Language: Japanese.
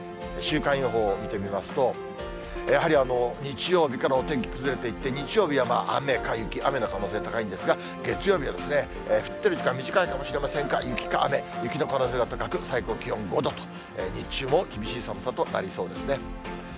週間予報見てみますと、やはり日曜日からお天気崩れていって、日曜日は雨か雪、雨の可能性高いんですが、月曜日はですね、降っている時間、短いかもしれませんが、雪か雨、雪の可能性が高く、最高気温５度と、日中も厳しい寒さとなりそうですね。